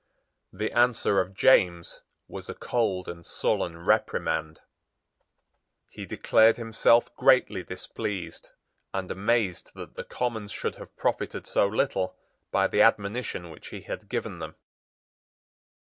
The answer of James was a cold and sullen reprimand. He declared himself greatly displeased and amazed that the Commons should have profited so little by the admonition which he had given them.